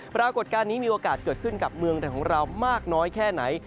ปรากฏการณ์นี้มีโอกาสเกิดขึ้นกับเมืองไทยของเรามากน้อยแค่ไหน